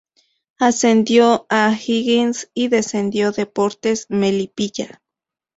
Ascendió O'Higgins y descendió Deportes Melipilla.